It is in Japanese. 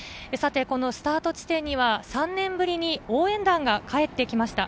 スタート地点には３年ぶりに応援団が帰ってきました。